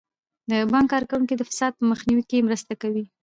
د بانک کارکوونکي د فساد په مخنیوي کې مرسته کوي.